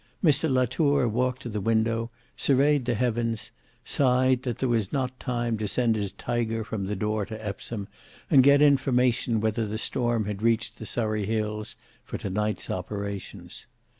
Mr Latour walked to the window, surveyed the heavens, sighed that there was not time to send his tiger from the door to Epsom, and get information whether the storm had reached the Surrey hills, for to night's operations.